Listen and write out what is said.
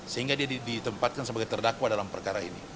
sehingga dia ditempatkan sebagai terdakwa dalam perkara ini